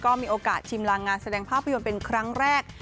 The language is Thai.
ก็มีโอกาสชิมลางงานแสดงภาพยนตร์เป็นครั้งแรก